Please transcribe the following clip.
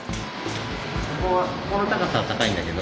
ここはここの高さは高いんだけど。